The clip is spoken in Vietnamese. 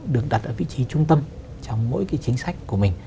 được đặt ở vị trí trung tâm trong mỗi cái chính sách của mình